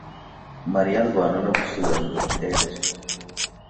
Mariya arwana no gusubira mumiterere.